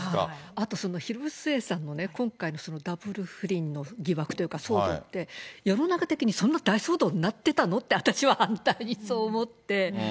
あとその広末さんのね、今回のそのダブル不倫の疑惑というか、騒動って、世の中的にそんな大騒動になってたのって、私は反対にそう思って。